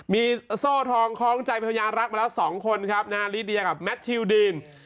มีโซ่ทองคล้องใจพญารักมาแล้ว๒คนครับนะฮะลิเดียกับแมททิวดีน